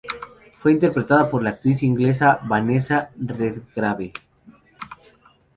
Fue interpretada por la actriz inglesa Vanessa Redgrave.